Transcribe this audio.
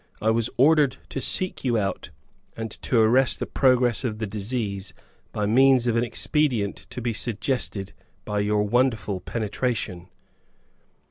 I was ordered to seek you out, and to arrest the progress of the disease by means of an expedient to be suggested by your wonderful penetration!